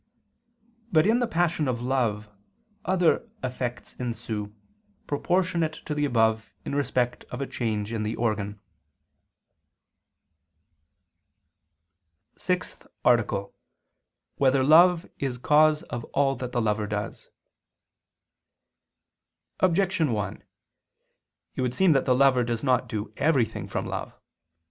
But in the passion of love, other effects ensue, proportionate to the above, in respect of a change in the organ. ________________________ SIXTH ARTICLE [I II, Q. 28, Art. 6] Whether Love Is Cause of All That the Lover Does? Objection 1: It would seem that the lover does not do everything from love.